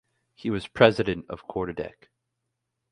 He was president of Quarterdeck.